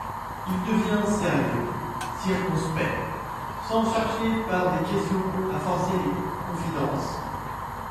Il devint sérieux, circonspect, sans chercher par des questions à forcer les confidences.